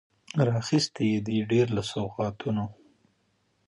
راخیستي یې دي، ډیر له سوغاتونو